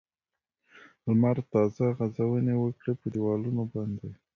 لمر تازه غځونې وکړې په دېوالونو باندې.